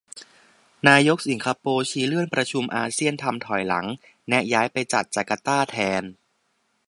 นายกสิงคโปร์ชี้เลื่อนประชุมอาเซียนทำถอยหลัง แนะย้ายไปจัดจาร์การ์ตาแทน